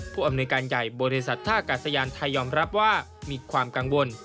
ผู้อำนวยการใหญ่บริษัทท่ากาศยานไทยยอมรับว่ามีความกังวล